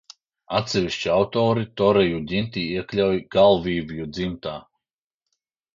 Atsevišķi autori toreju ģinti iekļauj galvīvju dzimtā.